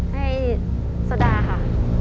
ให้โซ่ดาค่ะ